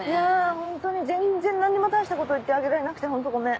ホントに全然何にも大したこと言ってあげられなくてホントごめん。